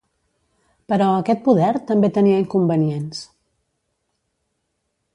Però aquest poder també tenia inconvenients.